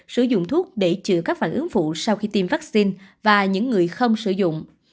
sử dụng thuốc để chữa các phản ứng phụ sau khi tiêm vaccine và những người không sử dụng